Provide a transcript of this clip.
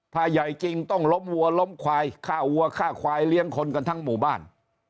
ถ้าใหญ่จริงต้องล้มวัวล้มควายฆ่าวัวฆ่าควายเลี้ยงคนกันทั้งหมู่บ้าน